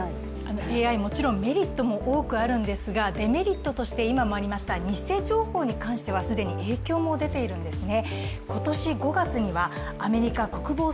ＡＩはもちろんメリットも多くあるんですがデメリットとして、今もありました偽情報に関しては既に影響も出ているんですね。